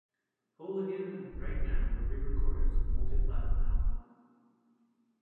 "Whole Again" and "Right Now" were re-recorded for the multi-platinum album.